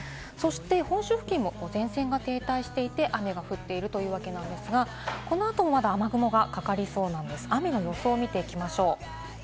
本州付近も前線が停滞していて雨が降っているというわけなんですが、この後もまだ雨雲がかかりそうなんです。